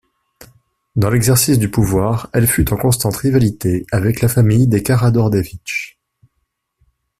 Dans l'exercice du pouvoir, elle fut en constante rivalité avec la famille des Karađorđević.